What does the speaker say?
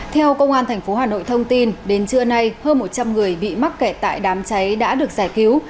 theo công an tp hà nội thông tin đến trưa nay hơn một trăm linh người bị mắc kẹt tại đám cháy đã được giải cứu